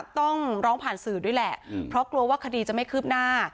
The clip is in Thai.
ต้องร้องผ่านสื่อด้วยแหละเพราะกลัวว่าคดีจะไม่คืบหน้า